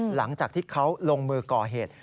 หลังจากที่เขาลงมือก่อเหตุ